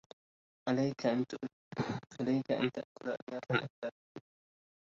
عليك أن تأكل أليافاً أكثر.